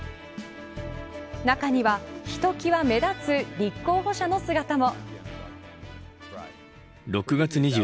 中には、ひときわ目立つ立候補者の姿も。